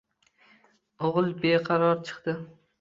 O‘g‘il bebaror chiqdi